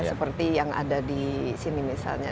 seperti yang ada di sini misalnya